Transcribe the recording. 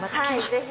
ぜひ。